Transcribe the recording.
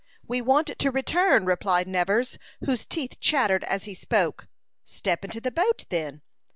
"We want to return," replied Nevers, whose teeth chattered as he spoke. "Step into the boat, then."